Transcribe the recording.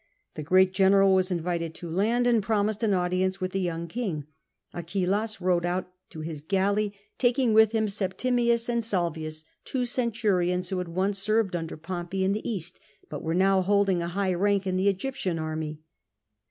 The great general was invited to land, and promised an audience with the young king. Achillas rowed out to his galley, taking with him Septimius and Salvius two centurions who had once served under Pompey in the East, but were now holding high rank in the Egyptian army.